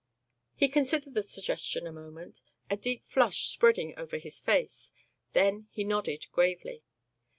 He considered the suggestion a moment, a deep flush spreading over his face; then he nodded gravely.